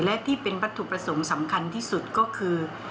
และที่เป็นวัตถุประสงค์สำคัญที่สุดก็คือ